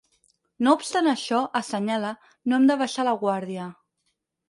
No obstant això, assenyala, “no hem de baixar la guàrdia”.